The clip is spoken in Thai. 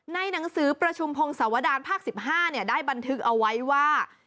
หนังสือประชุมพงศวดารภาค๑๕ได้บันทึกเอาไว้ว่า